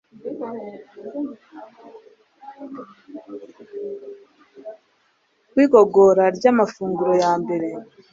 w’igogora ry’amafunguro ya mbere,